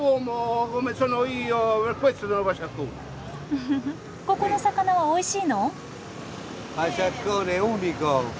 フフフッここの魚はおいしいの？